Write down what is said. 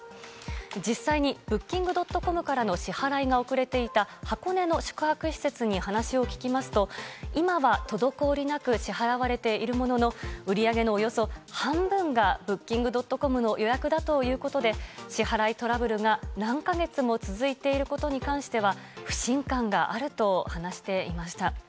実際にブッキングドットコムからの支払いが遅れていた箱根の宿泊施設に話を聞きますと今は滞りなく支払われているものの売り上げのおよそ半分がブッキングドットコムの予約だということで支払いトラブルが何か月も続いていることに関しては不信感があると話していました。